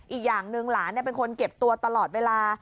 อีกอย่างหนึ่งหลานเป็นคนเก็บตัวตลอดเวลา